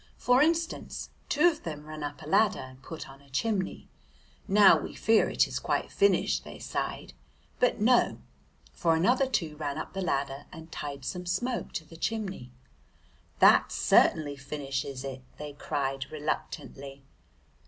For instance, two of them ran up a ladder and put on a chimney. "Now we fear it is quite finished," they sighed. But no, for another two ran up the ladder, and tied some smoke to the chimney. "That certainly finishes it," they cried reluctantly.